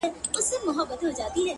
هوښیار انسان له خاموشیو هم معنا اخلي